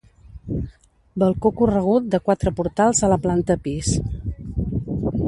Balcó corregut de quatre portals a la planta pis.